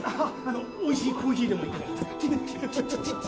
おいしいコーヒーでもいかがですか？